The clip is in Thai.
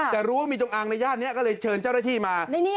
ด้านนี้ก็เลยเชิญเจ้าหน้าที่มา